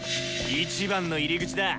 １番の入り口だ！